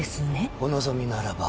お望みならば。